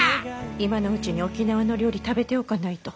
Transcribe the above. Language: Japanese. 今のうちに沖縄の料理食べておかないと。